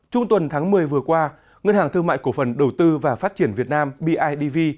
trung tuần tháng một mươi vừa qua ngân hàng thương mại cổ phần đầu tư và phát triển việt nam bidv